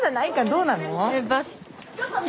どうなの？